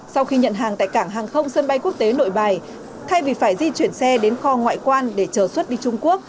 sau khi nhận hàng tại cảng hàng không sân bay quốc tế nội bài thay vì phải di chuyển xe đến kho ngoại quan để chờ xuất đi trung quốc